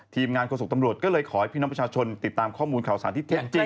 ทีมงานโฆษกตำรวจก็เลยขอให้พี่น้องประชาชนติดตามข้อมูลข่าวสารที่แท้จริง